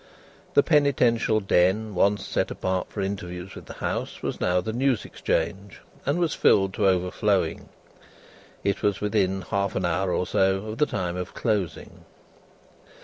The penitential den once set apart for interviews with the House, was now the news Exchange, and was filled to overflowing. It was within half an hour or so of the time of closing.